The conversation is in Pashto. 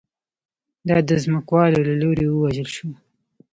دا د ځمکوالو له لوري ووژل شو